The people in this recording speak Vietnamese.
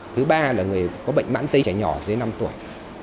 thứ ba là người có bệnh mãn tây trẻ nhỏ dưới năm tuổi